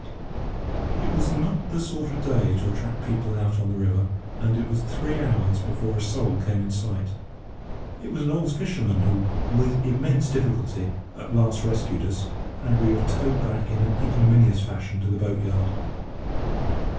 It was not the sort of day to attract people out on the river, and it was three hours before a soul came in sight. It was an old fisherman who, with immense difficulty, at last rescued us, and we were towed back in an ignominious fashion to the boat yard.